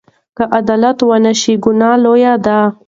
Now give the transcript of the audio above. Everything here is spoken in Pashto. که عدالت ونشي، ګناه لویه ده.